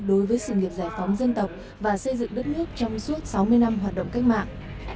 đối với sự nghiệp giải phóng dân tộc và xây dựng đất nước trong suốt sáu mươi năm hoạt động cách mạng